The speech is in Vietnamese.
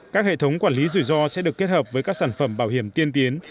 các hệ thống quản lý rủi ro sẽ được kết hợp với các sản phẩm bảo hiểm tiên tiến